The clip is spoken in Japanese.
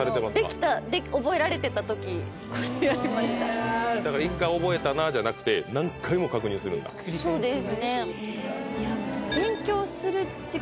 できた覚えられてた時これやりましただから「一回覚えたなぁ」じゃなくて何回も確認するんだそうですね